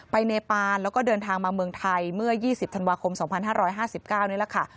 เนปานแล้วก็เดินทางมาเมืองไทยเมื่อ๒๐ธันวาคม๒๕๕๙นี่แหละค่ะ